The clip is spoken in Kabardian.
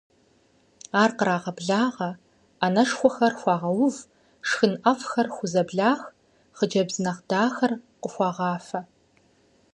Ар кърагъэблагъэ, ӏэнэшхуэхэр хуагъэув, шхын ӏэфӏхэр хузэблах, хъыджэбз нэхъ дахэхэр къыхуагъафэ.